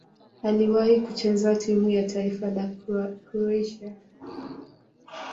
Aliwahi kucheza timu ya taifa ya Kroatia.